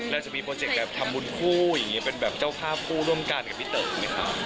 เราจะมีโปรเจกต์แบบทำบุญคู่อย่างนี้เป็นแบบเจ้าภาพคู่ร่วมกันกับพี่เต๋อไหมคะ